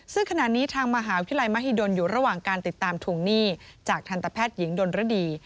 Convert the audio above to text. ซึ่งขณะนี้ทางมหาวิทยาลัยมหิดลอยู่ระหว่างการติดตามทวงหนี้จากทันตแพทย์หญิงดนรดี